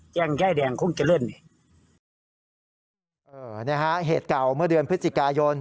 ยายแดงคงจะเล่นเออนะฮะเหตุเก่าเมื่อเดือนพฤศจิกายน